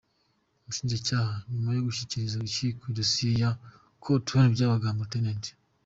Ubushinjacyaha, nyuma yo gushyikiriza urukiko idosiye ya Col Tom Byabagamba, Rtd.